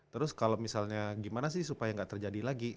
terus kalau misalnya gimana sih supaya nggak terjadi lagi